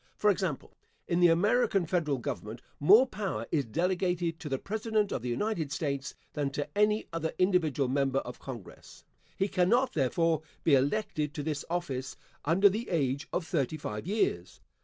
For example: In the American Federal Government, more power is delegated to the President of the United States than to any other individual member of Congress. He cannot, therefore, be elected to this office under the age of thirty five years.